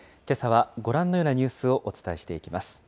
けさはご覧のようなニュースをお伝えしていきます。